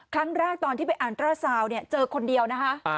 ครั้งแรกตอนที่ไปอันตราซาวเจอคนเดียวนะฮะ